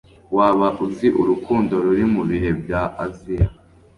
waba uzi urukundo ruri mubihe bya aziya